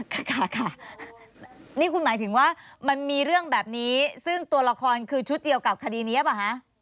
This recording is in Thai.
ค่ะค่ะนี่คุณหมายถึงว่ามันมีเรื่องแบบนี้ซึ่งตัวละครคือชุดเดียวกับคดีนี้หรือเปล่าคะ